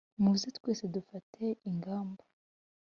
muze twese dufate ingamba